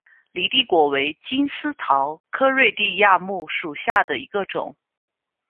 犁地果为金丝桃科瑞地亚木属下的一个种。